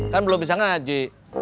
kan belum bisa ngaji